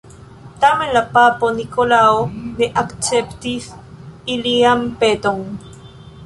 Tamen la papo Nikolao ne akceptis ilian peton.